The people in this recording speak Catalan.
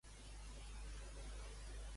Què va ser Cil·lene?